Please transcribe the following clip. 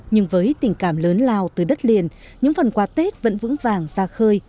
nhưng với tình cảm lớn lao từ đất liền những phần quà tết vẫn vững vàng ra khơi